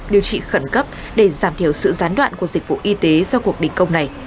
điều trị khẩn cấp để giảm thiểu sự gián đoạn của dịch vụ y tế do cuộc đình công này